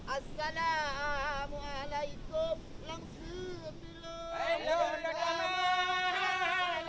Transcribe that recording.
assalamualaikum warahmatullahi wabarakatuh